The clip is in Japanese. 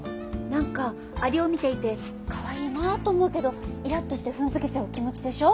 何かアリを見ていてかわいいなあと思うけどイラッとして踏んづけちゃう気持ちでしょ？